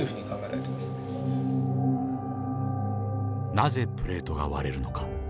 なぜプレートが割れるのか。